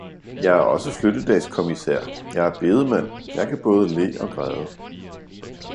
jeg er også flyttedagskommissær, jeg er bedemand, jeg kan både le og græde.